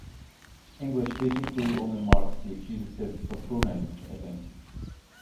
English basically only marks the accusative for pronouns, I think.